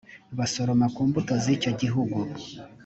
basoroma ku mbuto z’icyo gihugu